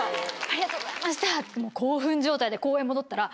ありがとうございました！え！